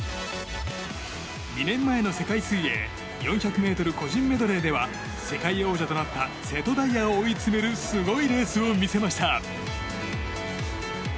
２年前の世界水泳４００ｍ個人メドレーでは世界王者となった瀬戸大也を追い詰めるすごいレースを見せました。